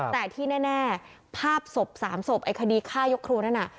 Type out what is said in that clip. แต่ที่แน่ภาพศพ๓ศพไอ้คดีฆ่ายกครัวนั้นน่ะ